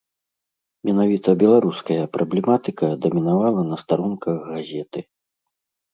Менавіта беларуская праблематыка дамінавала на старонках газеты.